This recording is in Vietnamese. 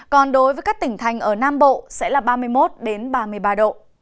còn đối với các tỉnh thành ở nam bộ sẽ là ba mươi một ba mươi ba độ